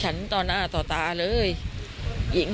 พอลูกเขยกลับเข้าบ้านไปพร้อมกับหลานได้ยินเสียงปืนเลยนะคะ